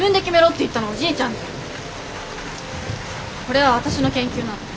これは私の研究なの。